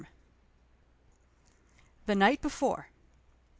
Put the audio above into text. THE NIGHT BEFORE.